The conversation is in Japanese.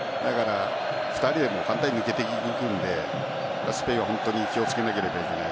２人でも簡単に抜けていくのでスペインは気をつけなければいけない。